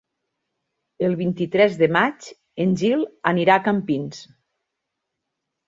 El vint-i-tres de maig en Gil anirà a Campins.